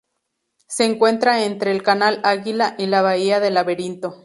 Se encuentra entre el canal Águila y la bahía del Laberinto.